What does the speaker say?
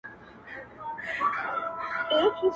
کوم یو چي سور غواړي، مستي غواړي، خبري غواړي.